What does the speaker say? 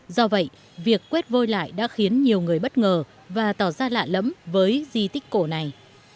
do vậy việc quét vôi lại đã khiến nhiều người bất ngờ và tỏ ra lạ lẫm với di tích cổ này